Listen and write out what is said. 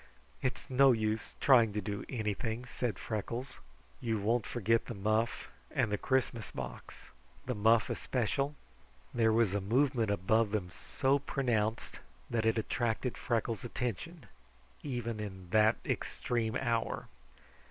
"It's no use trying to do anything," said Freckles. "You won't forget the muff and the Christmas box. The muff especial?" There was a movement above them so pronounced that it attracted Freckles' attention, even in that extreme hour.